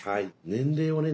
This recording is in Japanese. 年齢をね